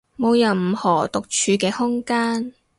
冇任何獨處嘅空間